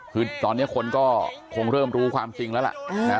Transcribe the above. คือตอนนี้คนก็คงเริ่มรู้ความจริงแล้วล่ะ